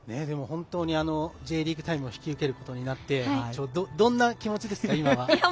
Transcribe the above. でも、本当に「Ｊリーグタイム」を引き受けることになってどんな気持ちですか？